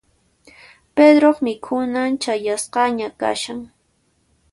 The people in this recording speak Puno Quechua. Pedroq mikhunan chayasqaña kashan.